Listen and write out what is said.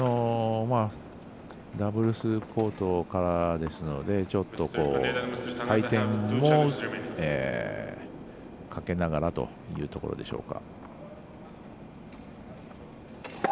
ダブルスコートからですから回転もかけながらというところでしょうか。